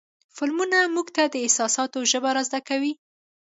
فلمونه موږ ته د احساساتو ژبه را زده کوي.